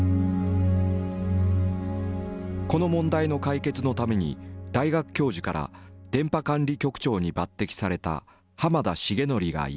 この問題の解決のために大学教授から電波監理局長に抜擢された浜田成徳がいた。